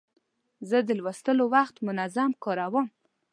زه د لوستلو وخت منظم کاروم.